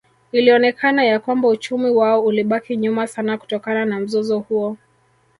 Ilionekana ya kwamba uchumi wao ulibaki nyuma sana kutokana na mzozo huo